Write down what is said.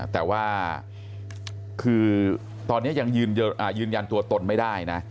แต่ว่าคือตอนนี้ยังยืนยันตัวตนไม่ได้นะ